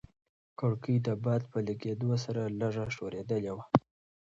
کړکۍ د باد په لګېدو سره لږه ښورېدلې وه.